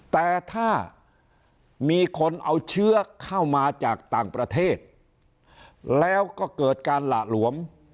แต่ถ้ามีคนเอาเชื้อเข้ามาจากต่างประเทศแล้วก็เกิดการหละหลวม